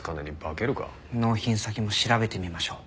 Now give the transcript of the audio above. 納品先も調べてみましょう。